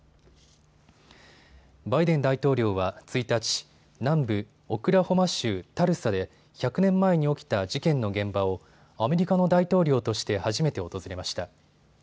バイデン大統領は１日、南部オクラホマ州タルサで１００年前に起きた事件の現場をアメリカの大統領として初めて訪れました。